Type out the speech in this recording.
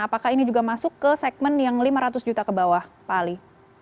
apakah ini juga masuk ke segmen yang lima ratus juta ke bawah pak ali